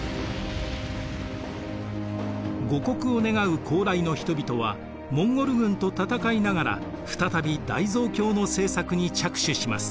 護国を願う高麗の人々はモンゴル軍と戦いながら再び大蔵経の製作に着手します。